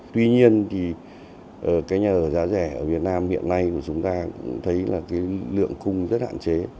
tuy nhiên nhà ở giá rẻ ở việt nam hiện nay chúng ta thấy lượng khung rất hạn chế